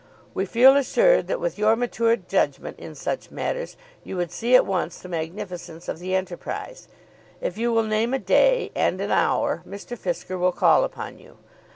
We feel assured that with your matured judgment in such matters you would see at once the magnificence of the enterprise. If you will name a day and an hour, Mr. Fisker will call upon you.